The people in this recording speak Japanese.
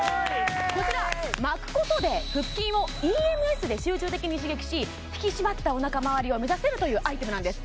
こちら巻くことで腹筋をＥＭＳで集中的に刺激し引き締まったお腹まわりを目指せるというアイテムなんです